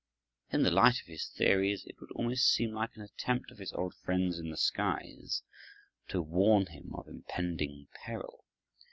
In the light of his theories it would almost seem like an attempt of his old friends in the skies to warn him of impending peril.